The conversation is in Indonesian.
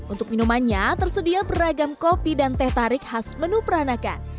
untuk minumannya tersedia beragam kopi dan teh tarik khas menu peranakan